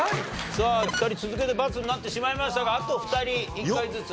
さあ２人続けてバツになってしまいましたがあと２人１回ずつ。